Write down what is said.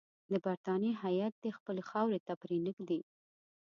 د برټانیې هیات دي خپلو خاورې ته پرې نه ږدي.